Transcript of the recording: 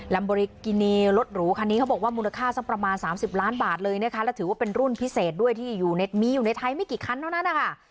บริกินีรถหรูคันนี้เขาบอกว่ามูลค่าสักประมาณ๓๐ล้านบาทเลยนะคะและถือว่าเป็นรุ่นพิเศษด้วยที่มีอยู่ในไทยไม่กี่คันเท่านั้นนะคะ